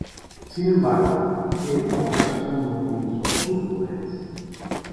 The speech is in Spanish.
Sin embargo, en esta ocasión no utilizó sus poderes.